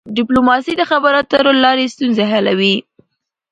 ډيپلوماسي د خبرو اترو له لاري ستونزي حلوي.